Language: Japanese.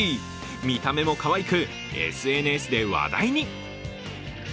見た目もかわいくＳＮＳで話題に。